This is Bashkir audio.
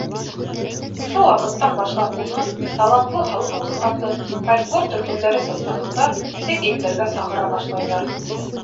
Ошо ваҡыттан башлап уны, талантлы халыҡ музыкантын, фольклор төркөмдәре составында сит илдәргә саҡыра башлайҙар.